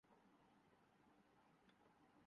تصور ریاست مدینہ کے کوئی قریب ہے۔